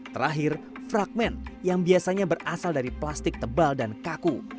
terakhir fragment yang biasanya berasal dari plastik tebal dan kaku